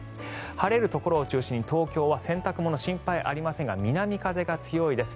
晴れるところを中心に東京は洗濯物は心配ありませんが南風が強いです。